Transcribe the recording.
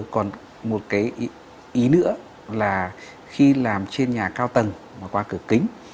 còn một cái ý nữa là khi làm trên nhà cao tầng mà qua cửa kính